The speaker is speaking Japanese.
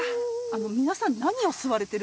皆さん何を吸われてるんですか？